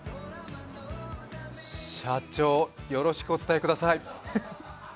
社長、よろしくお伝えください。